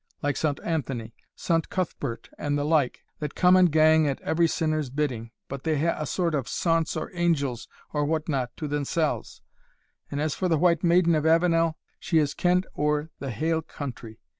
like Saunt Anthony, Saunt Cuthbert, and the like, that come and gang at every sinner's bidding, but they hae a sort of saunts or angels, or what not, to themsells; and as for the White Maiden of Avenel, she is kend ower the haill country.